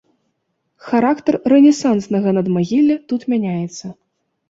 Характар рэнесанснага надмагілля тут мяняецца.